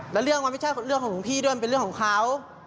แล้วเรื่องมันไม่ใช่เรื่องของหลวงพี่ด้วยมันเป็นเรื่องของเขา